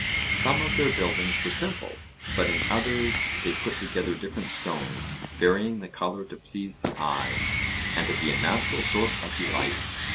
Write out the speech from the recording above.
Some of their buildings were simple, but in others they put together different stones, varying the colour to please the eye, and to be a natural source of delight.